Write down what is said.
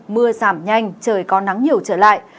mưa giảm nhanh trời có nắng nhiều trở lại